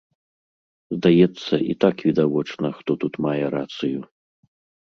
Здаецца, і так відавочна, хто тут мае рацыю.